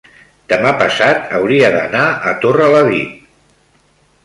demà passat hauria d'anar a Torrelavit.